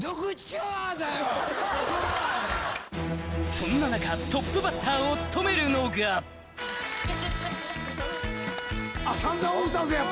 そんな中トップバッターを務めるのがあっ